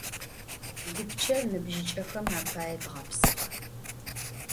Гупчэр ныбжьыкӏэхэм апае дгъэпсыгъэ.